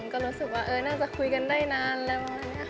ก็รู้สึกว่าน่าจะคุยกันได้นานแล้ว